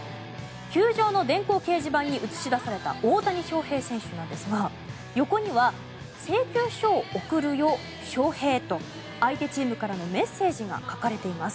球場の電光掲示板に映し出された大谷翔平選手なんですが横には請求書を送るよ、ショウヘイと相手チームからのメッセージが書かれています。